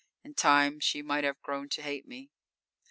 In time she might have grown to hate me.